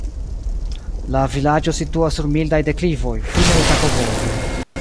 La vilaĝo situas sur mildaj deklivoj, fine de sakovojo.